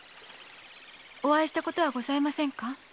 お会いしたことはございませんか？